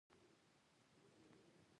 موزیک د کلي غږ دی.